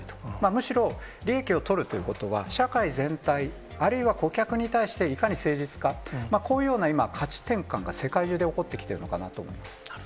むしろ、利益を取るということは、社会全体、あるいは顧客に対していかに誠実か、こういうような今、価値転換が世界中で起こってきているのかなと思います。